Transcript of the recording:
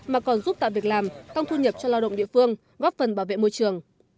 mà còn giúp tạo việc làm tăng thu nhập cho lao động địa phương góp phần bảo vệ môi trường